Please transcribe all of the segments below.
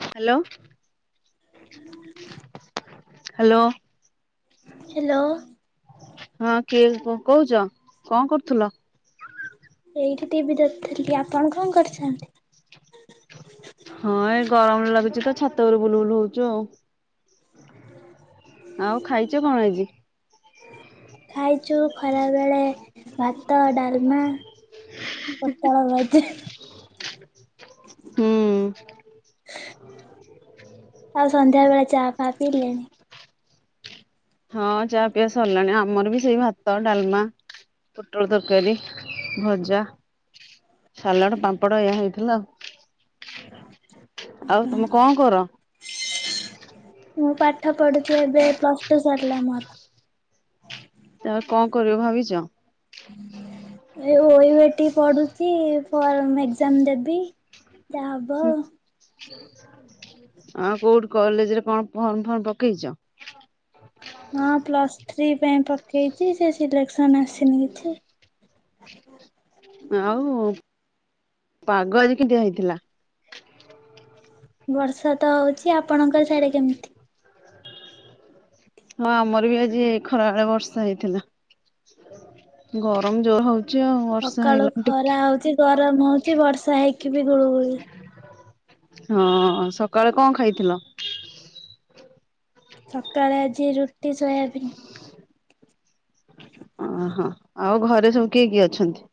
Hello hello. Hello. ହଁ କିଏ କହୁଛ? କଣ କରୁଥିଲ? ଏଇଠି ଟିଭି ଦେଖୁଥିଲି। ଆପଣ କଣ କରିଛନ୍ତି? ହଁ ଏ ଗରମରେ ଲାଗୁଛି ତ ଛାତ ଉପରେ ବୁଲୁବୁଲୁ ହଉଛୁ ଆଉ। ଆଉ ଖାଇଛ କଣ ଆଜି? ଯୁ ଖରା ବେଳେ ଭାତ, ଡାଲମା, ପୋଟଳ ଭଜା- ହୁଁ। ଆଉ ସନ୍ଧ୍ୟା ବେଳେ ଚା ଫା ପିଇଲେ? ହଁ ଚା ପିଆ ସରିଲାଣି। ଆମର ବି ସେଇ ଭାତ ଡାଲମା। ପୋଟଳ ତରକାରୀ ଭଜା। ସାଲାଡ ପାମ୍ପଡ ଏହା ହେଇଥିଲା। ଆଉ ତମେ କଣ କର? ମୁଁ ପାଠ ପଢୁଛିି ଏବେ ପ୍ଲସଟୁ ସରିଲା ମୋର। ତ ଆଉ କଣ କରିବ ଭାବିଛ? ଓୟୁଏଟି ପଢୁଛି ଫର୍ମ ଏକଜାମ ଦେବି। ଯାହା ହବ ଆଉ। ଆଉ କୋଉଠି କଲେଜରେ କଣ ଫର୍ମ ଫର୍ମ ପକେଇଛ? ହଁ ପ୍ଲସ ଥ୍ରୀ ପାଇଁ ପକେଇଛି ସେ ସିଲେକ୍ସନ ଆସିନି କିଛି। [inaudible] ଆଉ ପାଗ ଆଜି କେମିତୀଆ ହେଇଥିଲା? ବର୍ଷା ତ ହଉଛି ଆପଣଙ୍କ ସିଆଡେ କେମିତି? ହଁ ଆମର ବି ଆଜି ଖରା ବେଳେ ବର୍ଷା ହେଇଥିଲା। ଗରମ ଯୋର ହଉଛି। ଆଉ ବର୍ଷା ସକାଳୁ ହେଇଲାଣି ଟିକେ ଖରା ହଉଚି ଗରମ ହଉଚି ବର୍ଷା ହେଇକି ବି ଗୁଳୁ ଗୁଳି। ହଁ ସକାଳେ କଣ ଖାଇଥିଲ? ସକାଳେ ଆଜି ରୁଟି ସୋୟାବିନ୍। ଓହୋ ଆଉ ଘରେ ସବୁ କିଏ କିଏ ଅଛନ୍ତି?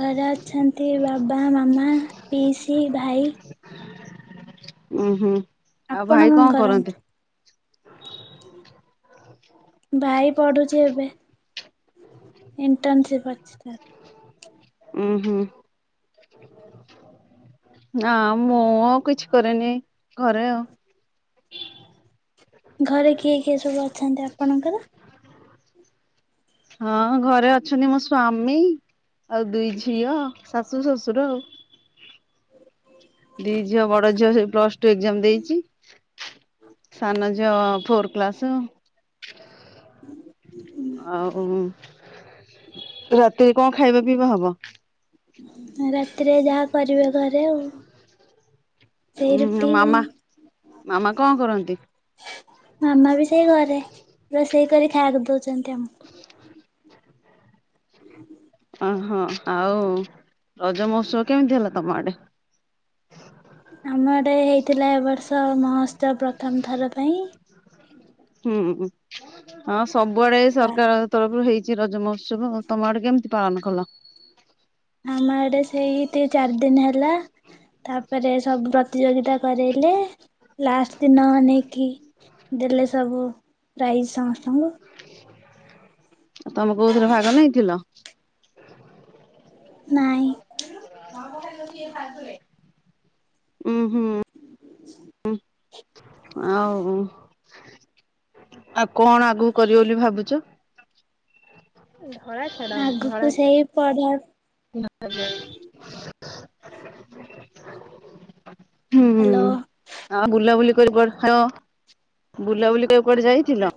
ଘରେ ଅଛନ୍ତି ବାବା ମାମା ପିଇସି ଭାଇ ଉୁଁ ହୁଁ ଆଉ ଭାଇ କଣ କରନ୍ତି? ଭାଇ ପଢୁଚି ଏବେ। ଇଣ୍ଟର୍ନଶିପ୍ ଅଛି ତ ଉୁଁ ହୁଁ। ନା ମୁଁ ଆଉ କିଛି କରେନି ଘରେ ଆଉ। ଘରେ କିଏ କିଏ ସବୁ ଅଛନ୍ତି ଆପଣଙ୍କର? ହଁ ଘରେ ଅଛନ୍ତି ମୋ ସ୍ଵାମୀ ଆଉ ଦୁଇ ଝିଅ ଶାଶୁ ଶ୍ୱଶୁର ଆଉ। ଦି ଝିଅ ବଡ ଝିଅ ସେଇ ପ୍ଲସ ଟୁ ଏକ୍ଜାମ ଦେଇଚି। ସାନ ଝିଅ ଫୋର କ୍ଲାସ ଆଉ ରାତିରେ କଣ ଖାଇବା ପିଇବା ହବ? ରାତିରେ ଯାହା କରିବେ ଘରେ ଆଉ। ସେଇ ଉୁଁ ରୁଟି କଣ ମାମା ମାମା କଣ କରନ୍ତି? ମାମା ବି ସେଇ ଘରେ ରୋଷେଇ କରି ଖାଇବାକୁ ଦଉଛନ୍ତି ଆମକୁ। ଓହୋ ଆଉ ରଜ ମତ୍ସବ କେମିତି ହେଲା ତମ ଆଡେ? ଆମ ଏଡେ ହେଇଥିଲା ଏବ ବର୍ଷ ମହୋତ୍ସବ ପ୍ରଥମ ଥର ପାଇଁ। ହୁଁ ହଁ ସବୁଆଡେ ତା ସରକାର ତରଫରୁ ହେଇ ରଜ ମହୋତ୍ସବ ତମ ଆଡେ କେମିତି ପାଳନ କଲ? ଆମ ଆଡେ ସେଇତି ଚାରି ଦିନ ହେଲା। ତାପରେ ସବୁ ପ୍ରତିଯୋଗିତା କରରୋଇଲେ ଲାଷ୍ଟ ଦିନ ନେଇକି ଦେଲେ ସବୁ ପ୍ରାଇଜ୍ ସମସ୍ତଙ୍କୁ। ଆଉ ତମେ କୋଉଥିରେ ଭାଗ ନେଇଥିଲ? ନାଇଁ। ଉଁ ହୁଁ। ଆଉ ଆଉ କଣ ଆଗକୁ କରିବ ବୋଲି ଭାବୁଚ? ଆଗକୁ ସେଇ ପଢା ନା [unintelligible] ହୁଁ ହ୍ୟାଲୋ ଆ ଆଉ ବୁଲାବୁଲି [unintelligible] ବୁଲାବୁଲି କରି କୁଆଡେ ଯାଇଥିଲ।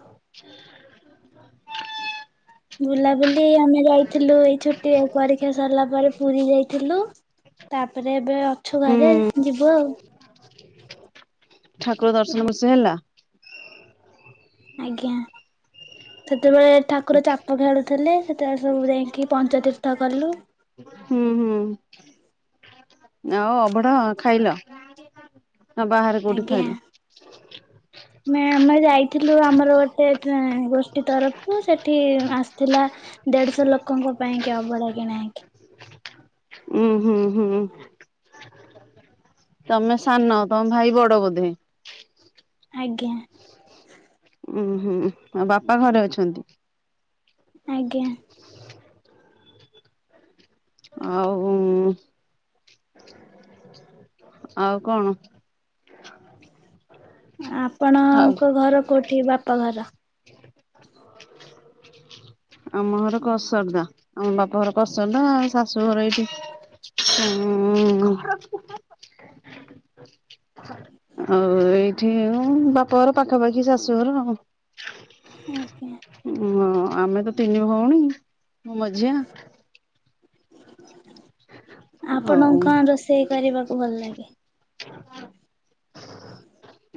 ବୁଲାବୁଲି ଟି ଆମେ ଯାଇଥିଲୁ ଏଇ ଛୁଟି ଏଇ ପରୀକ୍ଷା ସରିଲା ପରେ ପୁରୀ ଯାଇଥିଲୁ ତାପରେ ଏବେ ଅଛୁ ହୁଁ ଘରେ ଯିବୁ ଆଉ। ଠାକୁର ଦର୍ଶନ ବ ସେ ହେଲା? ଆଜ୍ଞା ସେତ ଯେତେବେଳେ ଠାକୁର ଚାପ ଖେଳୁଥିଲେ ସେତେବେଳେ ସବୁ ଯାଇକି ପଞ୍ଚତୀର୍ଥ କଲୁ। ହୁଁ ହୁଁ ଆଉ ଅବଢା ଖାଇଲ? ନା ବାହାରେ କୋଉଠି ଆଜ୍ଞା। ଖାଇଲୁ? ଆମେ ଯାଇଥିଲୁ ଆମର ଗୋଟେ ତେ ଗୋଷ୍ଠୀ ତରଫରୁ ସେଠି ଆସିଥିଲା ଦେଢଶହ ଲୋକଙ୍କ ପାଇଁ ଙ୍କି ଅବଢା କିଣାହେଇକି। ଉୁଁ ହୁଁ ହୁଁ। ତମେ ସାନ ତମ ଭାଇ ବଡ ବୋଧେ? ଆଜ୍ଞା। ଉୁଁ ହୁଁ ଆଉ ବାପା ଘରେ ଅଛନ୍ତି? ଆଜ୍ଞା। ଆଉ। ଆଉ କଣ? ଆଉ ଆପଣଙ୍କ ଘର କୋଉଠି ବାପା ଘର? ଆମ ଘର କସରଦା ଆମ ବାପା ଘର କସରଦା ଶାଶୁ ଘର ଏଇଠି। ହୁଁ। ଆଉ ଏଇଠି ଉ ବାପଘର ପାଖାପାଖି ଶାଶୁଘର ଆଉ। ଓକେ। ଓ ହଁ ଆମେ ତ ତିନି ଭଉଣୀ ମୁଁ ମଝିଆ। ଆପଣ ଆଉ କଣ ରୋଷେଇ କରିବାକୁ ଭଲ ଲାଗେ?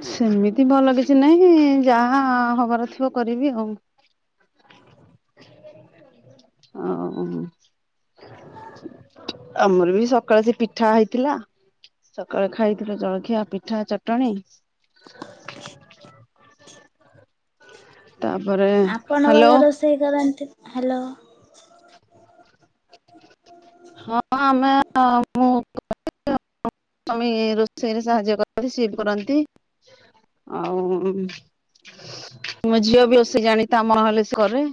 ସେମିତି ଭଲ କିଛି ନାହିଁ ଯାହା ହବାର ଥିବ କରିବି ଆଉ। ଓ। ଆମର ବି ସକାଳେ ସେ ପିଠା ହେଇଥିଲା। ସକାଳେ ଖାଇଥିଲେ ଜଳଖିଆ ପିଠା ଚଟଣି। ତାପରେ ଆପଣ ହ୍ୟାଲୋ। ଭଲ ରୋଷେଇ କରନ୍ତି, ହ୍ୟାଲୋ ହଁ ଆମେ ମୁ [inaudible] ସ୍ୱାମୀ ରୋଷେଇରେ ସାହାଯ୍ୟ କରନ୍ତି ସିଏ ବି କରନ୍ତି। ଆଉ ମୋ ଝିଅ ବି ଅସ ଜାଣିଥା ମହଲେଶ୍ଵରରେ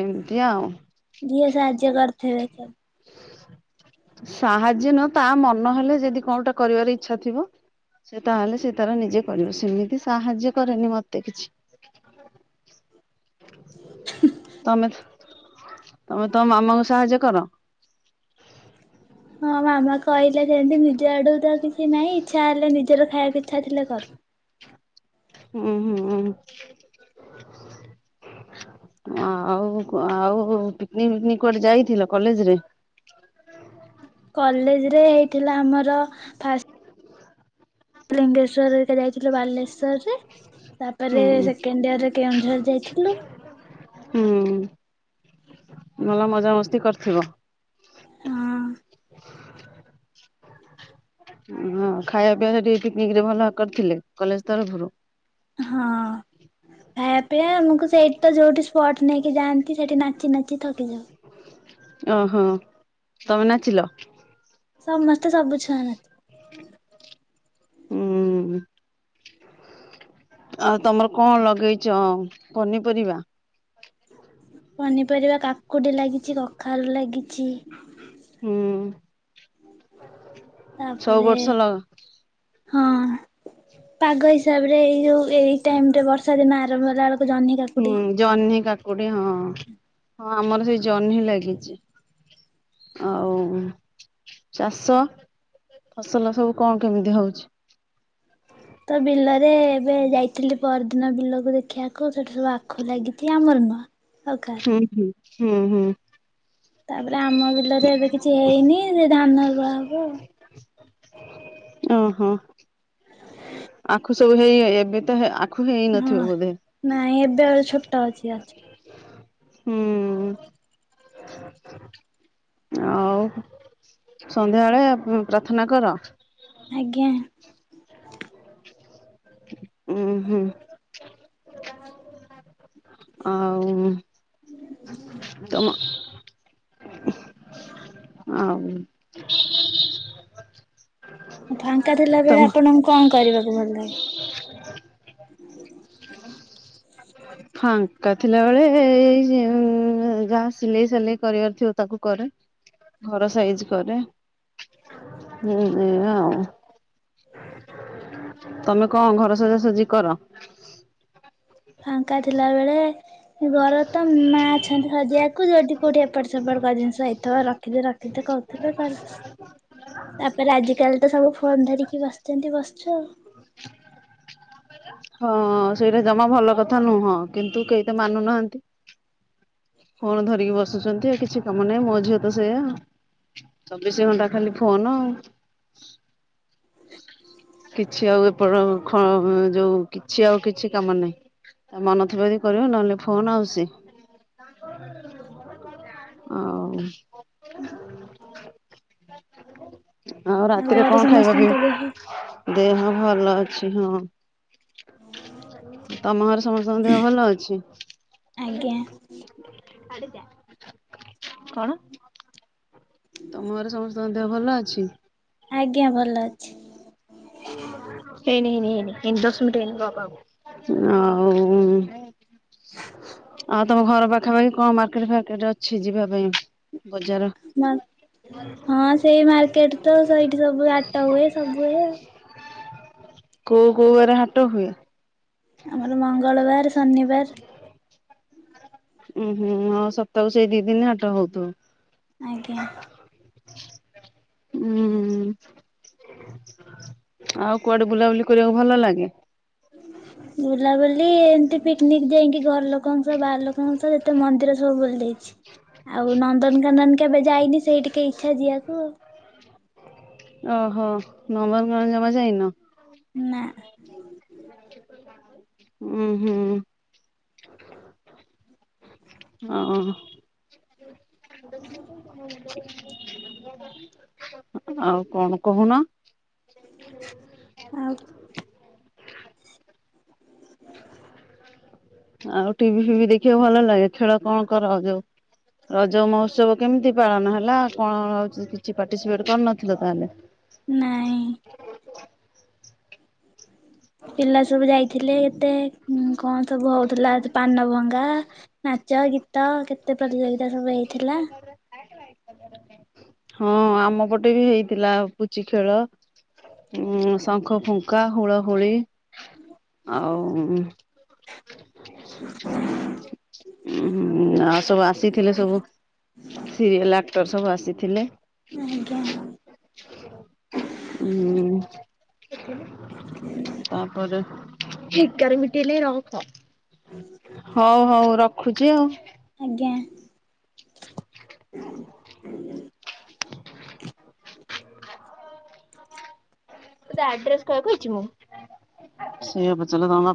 ଏମିତି ଆଉ। କରୁଥବେ ସ ସାହାଯ୍ୟ ନ ତା ମନ ହେଲେ ଯଦି କୋଉଟା କରିବାର ଇଚ୍ଛା ଥିବ। ସେ ତାହେଲେ ସେ ତାର ନିଜେ କରିବ ସେମିତି ସାହାଯ୍ୟ କରେନି ମତେ କିଛି। ତମେ ତମେ ତମ ମମଙ୍କ ସାହାଯ୍ୟ କର। ହଁ ମାମା କହିଲେ ଯେମିତି ନିଜ ଆଡୁ ତ କିଛି ନାହିଁ ଇଚ୍ଛା ହେଲେ ନିଜର ଖାଇବାକୁ ଇଚ୍ଛା ଥିଲେ କରୁ। ହୁଁ ହୁଁ। ଆଉ ଆଉ ପିକନିକ ପିକନିକ କୁଆଡେ ଯାଇଥିଲ କଲେଜରେ? [inaudible] କଲେଜ ରେ ହେଇଥିଲା ଆମର ଫା ଲିଙ୍ଗେଶ୍ଵର ହେରିକା ଯାଇଥିଲୁ ବାଲେଶ୍ଵର ରେ। ହୁଁ ତାପରେ ସେକେଣ୍ଡ ଇୟରରେ କେଉଁଝର ଯାଇଥିଲୁ। ହୁଁ ଭଲ ମଜାମସ୍ତି କରିଥିବ। ହଁ। ହଁ ଖାଇବା ପିଇବା ସେଠି ପିକନିକ ରେ ଭଲ କରିଥିଲେ କଲେଜ ତରଫରୁ? ହଁ ଖାଇବା ପିଆ ଆମକୁ ସେଇଠି ତ ଯୋଉଠି ସ୍ପଟ ନେଇକି ଯାଆନ୍ତି ସେଇଠି ନାଚ ନାଚି ନାଚି ଥକି ଯାଉ। ଓହୋ ତମେ ନାଚିଲ? ସମସ୍ତେ ସବୁ ଛାନ ହୁଁ। ଆଉ ତମର କଣ ଲଗେଇଛ ପନିପରିବା? ପନିପରିବା କାକୁଡି ଲାଗିଛି କଖାରୁ ଲାଗିଛି। ହୁଁ ଛଅ ତାପରେ ବର୍ଷ ଲଗ ହଁ ପାଗ ହିସାବରେ ଏଇ ଯୋଉ ଏଇ ଟାଇମ ରେ ବର୍ଷା ଦିନ ଆରମ୍ଭ ହେଲା ବେଳକୁ ଜହ୍ନି ହୁଁ କାକୁଡି ଜହ୍ନି ହଁ କାକୁଡି ହଁ ଆମର ସେଇ ଜହ୍ନି ଲାଗିଛି। ଆଉ ଚାଷ ଫସଲ ସବୁ କଣ କେମିତି ହଉଛି? ତ ବିଲରେ ଏବେ ଯାଇଥିଲି ପରଦିନ ବିଲକୁ ଦେଖିବାକୁ ସେଠି ସବୁ ଆଖୁ ଲାଗିଛି ଆମର ନୁହଁ। ଆଉ କାହାର ହୁଁ ହଁ ହୁଁ ହଁ। ତାପରେ ଆମ ବିଲରେ ଏବେ କିଛି ହେଇନି ଧାନ ରୁଆହବ। ଓହୋ ଆଖୁ ସବୁ ହେଇ ଏବେ ତ ହେ ଆ ହଁ ନାଇଁ ଏବେ ଆ ଛୋଟା ଅଛି ଗଛ। ହୁଁ ଆଉ? ସନ୍ଧ୍ୟାବେଳେ ପ୍ରାର୍ଥନା କର? ଆଜ୍ଞା। ଉୁଁ ହୁଁ। ଆଉ ତମ। ଆଉ। ଫାଙ୍କା ଥିଲା ବେଳେ ତମ ଆପଣଙ୍କୁ କଣ କରିବାକୁ ଭଲ ଲାଗେ? [inaudible] ଫାଙ୍କା ଥିଲା ବେଳେ ଏଇ ଯାହା ସିଲେଇ ସିଲେଇ କରିବାର ଥିବ ତାକୁ କରେ। ଘର ସାଇଜ କରେ। ହୁଁ ଏଇଆ ଆଉ। ତମେ କଣ ଘର ସଜାସଜି କର? ଫାଙ୍କା ଥିଲା ବେଳେ- ଘର ତ ମା ଅଛନ୍ତି ଖୋଜିବାକୁ ଯୋଉଠି କୋଉଠି ଏପଟ ସେପଟ ଜିନିଷ ହେଇଥିବ ରଖିଦେ ରଖିଦେ କ - [unintelligible] ତାପରେ ଆଜିିକାଲି ତ ସବୁ ଫୋନ ଧରିକି ବସିଛନ୍ତି ବସିଛୁ ଆଉ। ହଁ ସେଇଟା ଜମା ଭଲ କଥା ନୁହଁ କିନ୍ତୁ କେହି ତ- ମାନୁ ନାହାନ୍ତି। ଫୋନ ଧରିକି ବସୁଛନ୍ତି କିଛି କାମ ନାହିଁ। ମୋ ଝିଅ ତ ସେଇଆ। ଚବିଶି ଘଣ୍ଟା ଖାଲି ଫୋନ। କିଛି ଆଉ ଏପଟର ଯୋଉ। କିଛି ଆଉ କିଛି କାମ ନାହିଁ ମନ ଥିବ ଯଦି କରିବ ନହେଲେ ନାଇଁ। ଫୋନ ଆଉ ସେ। ହଉ। ଆଉ ରାତିରେ ଘରେ କଣ ଖାଇବ। ବି ସମସ୍ତଙ୍କ ଦେହ ଦେହ- ଭଲ ଅଛି ହଁ। ତମ ଘର ସମସ୍ତଙ୍କ ଦେହ ଭଲ ଅଛି? ଆଜ୍ଞା। କଣ? ତମ ଘର ସମସ୍ତଙ୍କ ଦେହ ଭଲ ଅଛି? ଆଜ୍ଞା ଭଲ ଅଛି। ହେଇନି ନି ଏ ଦଶ ମିିନିଟ ହେଇନି କହ କହ କହ। ଆଉ। ଆଉ ତମ ଘର ପାଖାପାଖି କଣ ମାର୍କେଟ ଫାର୍କେଟ ଅଛି ଯିବା ପାଇଁ? ବଜାର ହଁ ସେଇ ମାର୍କେଟ ତ ସେଇଠି ସବୁ ହାଟ ହୁଏ ସବୁ ହୁଏ ଆଉ। କୋଉ କୋଉ ବାର ହାଟ ହୁଏ? ଆମର ମଙ୍ଗଳବାର ଶନିିବାର। ଉହୁଁ ହଉ ସପ୍ତାହକୁ ସେଇ ଦି ଦିନ ହାଟ ହଉଥିବ। ଆଜ୍ଞା। ହୁଁ। ଆଉ କୁଆଡେ ବୁଲାବୁଲି କରିବାକୁ ଭଲ ଲାଗେ? [inaudible] ବୁଲାବୁଲି ଏମତି ପିକନିକ ଯାଇକି ଘର ଲୋକଙ୍କ ସହ ବାହାର ଲୋକଙ୍କ ସହ ଯେତେ ମନ୍ଦିର ସବୁ ବୁଲି ଦେଇଛି। [inaudible] ଆଉ ନନ୍ଦନକାନନ କେବେ ଯାଇନି ସେଇ ଟିକେ ଇଛା ଯିବାକୁ। ଓହୋ ନନ୍ଦନକାନନ ଜମା ଯାଇନ? ନା। ଉଁ ହୁଁ। ହଁ। ଆଉ କଣ କହୁନ। ଆଉ ଆଉ ଟିଭି ଫିଭି ଦେଖିବାକୁ ଭଲ ଲାଗେ ଖେଳ କଣ କର ଯୋଉ? ରଜ ମହୋତ୍ସବ କେମିତି ପାଳନ ହେଲା କଣ ହଉଚି କିଛି ପାର୍ଟିସିପେଟ କରିନଥିଲ ତାହେଲେ? ନାଇଁ। ପିଲା ସବୁ ଯାଇଥିଲେ ଏତେ କଣ ସବୁ ହଉଥିଲା ପାନ ଭଙ୍ଗା ଲା ନାଚ ଗୀତ କେତେ ପ୍ରତିଯୋଗିତା ସବୁ ହେଇଥିଲା। ହଁ ଆମ ପଟେ ବି ହେଇଥିଲା ପୁଚି ଖେଳ ଉଁ ଶାଙ୍ଖ ଫୁଙ୍କା ହୁଳହୁଳି। ଆଉ ଉଁ ହୁଁ ଆଉ ସବୁ ଆସିଥିଲେ ସବୁ ସିରିଏଲ ଆକ୍ଟର ସବୁ ଆସିଥିଲେ ଆଜ୍ଞା। ଉଁ ତାପରେ [unintelligible] ରଖ ହଉ ହଉ ରଖୁଚି ଆଉ। ଆଜ୍ଞା। ତତେ ଅଡ୍ରେସ କହିବାକୁ କହିଚି ମୁଁ?